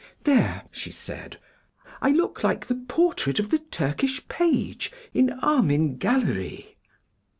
'There,' she said, 'I look like the portrait of the Turkish page in Armine Gallery.